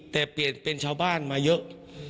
แต่เปลี่ยนเป็นชาวบ้านมาเยอะ